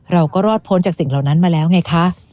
รอดพ้นจากสิ่งเหล่านั้นมาแล้วไงคะ